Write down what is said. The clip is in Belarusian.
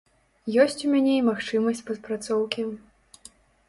Ёсць у мяне і магчымасць падпрацоўкі.